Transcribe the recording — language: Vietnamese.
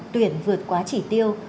tuyển vượt quá chỉ tiêu